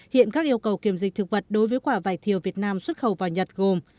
hiện các yêu cầu kiểm dịch thực vật đối với quả vải thiều việt nam xuất khẩu vào nhật gồm